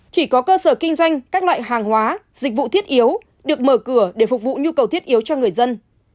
chỉ có cơ sở kinh doanh các loại hàng hóa dịch vụ thiết yếu được mở cửa để phục vụ nhu cầu thiết yếu cho người dân